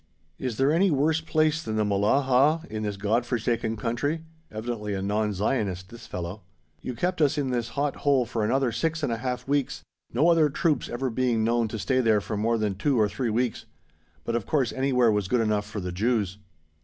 Is there any worse place than the Mellalah in this God forsaken country? (Evidently a non Zionist, this fellow!) You kept us in this hot hole for another six and a half weeks, no other troops ever being known to stay there for more than two or three weeks but of course anywhere was good enough for the Jews."